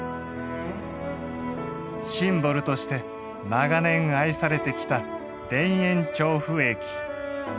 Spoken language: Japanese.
シンボルとして長年愛されてきた田園調布駅。